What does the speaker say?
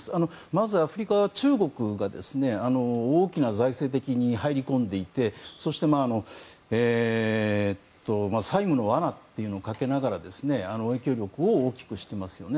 まずアフリカは中国が財政的に入り込んでいてそして、債務の罠というのをかけながら影響力を大きくしていますよね。